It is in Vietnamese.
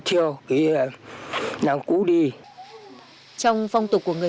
tiếp đến là quét cửa chính sau đó mới đến cửa phụ